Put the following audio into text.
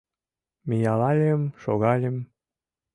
Миялальым, шогальым